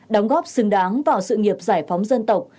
đóng góp xứng đáng vào sự nghiệp giải phóng dân tộc